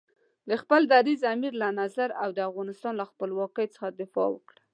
د خپل دریځ، امیر له نظر او د افغانستان له خپلواکۍ څخه دفاع وکړه.